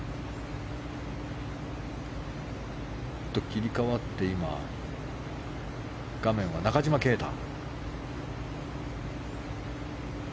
切り替わって、今画面は中島啓太。